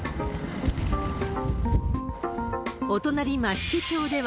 お隣、増毛町では、